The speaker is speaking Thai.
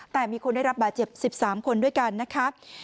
แต่มีคนได้รับบาดเจ็บ๑๓คนด้วยกันนะคะ